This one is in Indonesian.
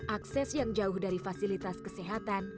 akses yang jauh dari fasilitas kesehatan